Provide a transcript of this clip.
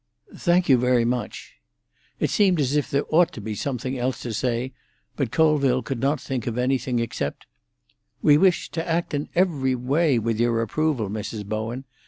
"Thank you very much." It seemed as if there ought to be something else to say, but Colville could not think of anything except: "We wish to act in every way with your approval, Mrs. Bowen.